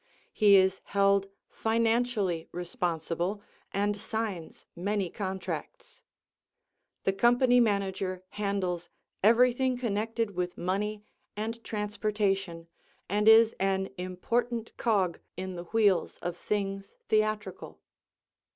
He is held financially responsible, and signs many contracts. The Company Manager handles everything connected with money and transportation and is an important cog in the wheels of things theatrical.